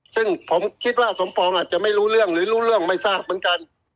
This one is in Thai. ซึ่งผมคิดว่าสมปองอาจจะไม่รู้เรื่องหรือรู้เรื่องไม่ทราบเหมือนกัน